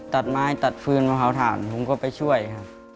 ตัดไม้ตัดฟืนมาเผาถ่านผมก็ไปช่วยครับ